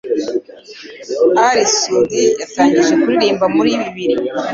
Ally Soudy yatangiye kuririmba muri bibiri